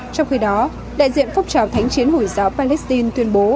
trong khi đó đại diện phong trào thánh chiến hủi giáo palestine tuyên bố